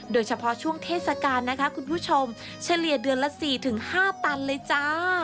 โดยเฉพาะช่วงเทศกาลนะคะคุณผู้ชมเฉลี่ยเดือนละ๔๕ตันเลยจ้า